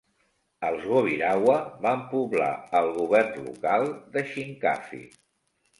Els gobirawa van poblar el govern local de Shinkafi.